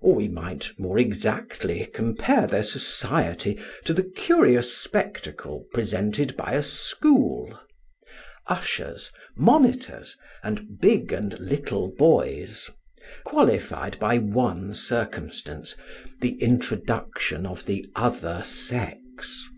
Or we might more exactly compare their society to the curious spectacle presented by a school ushers, monitors, and big and little boys qualified by one circumstance, the introduction of the other sex.